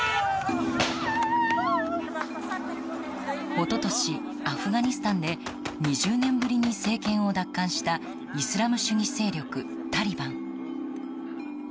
一昨年、アフガニスタンで２０年ぶりに政権を奪還したイスラム主義勢力タリバン。